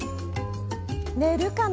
寝るかな。